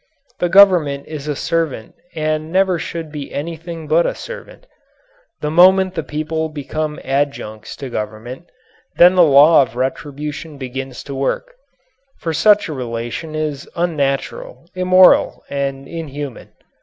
The Government is a servant and never should be anything but a servant. The moment the people become adjuncts to government, then the law of retribution begins to work, for such a relation is unnatural, immoral, and inhuman.